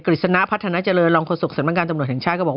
กฤษณะพัฒนาเจริญรองค์คนสุขสำนักการตำรวจแห่งชายก็บอก